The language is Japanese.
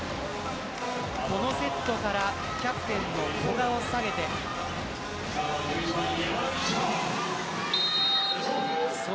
このセットからキャプテンの古賀を下げています。